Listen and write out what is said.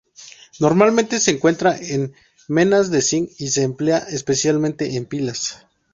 Normalmente se encuentra en menas de zinc y se emplea especialmente en pilas.